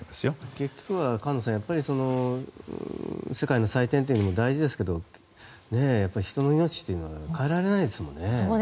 結局は世界の祭典というのも大事ですけど人の命というものには代えられないですもんね。